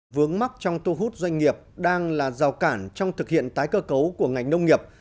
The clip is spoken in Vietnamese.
vướng mắt trong thu hút doanh nghiệp đang là rào cản trong thực hiện tái cơ cấu của ngành nông nghiệp